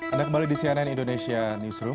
anda kembali di cnn indonesia newsroom